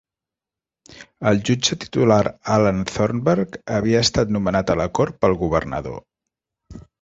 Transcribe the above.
El jutge titular Alan Thornburg havia estat nomenat a la cort pel governador.